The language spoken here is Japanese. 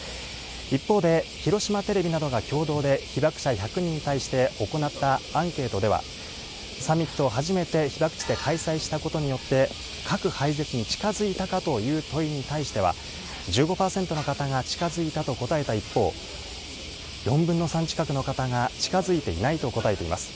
一方で、広島テレビなどが共同で被ばく者１００人に対して行ったアンケートでは、サミットが初めて被爆地で開催したことによって、核廃絶に近づいたかという問いに対しては、１５％の方が近づいたと答えた一方、４分の３近くの方が近づいていないと答えています。